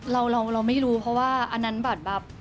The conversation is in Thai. เราไม่รู้เพราะว่าอันนั้นบัตรแบบ